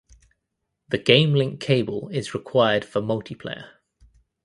The Game Link Cable is required for multiplayer.